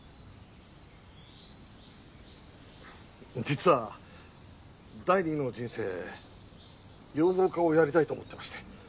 実は第二の人生養蜂家をやりたいと思ってまして。